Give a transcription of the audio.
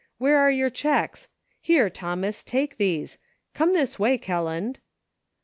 Where are your checks .'' Here, Thomas, take these ; come this way, Kel land."